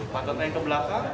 pantatnya yang ke belakang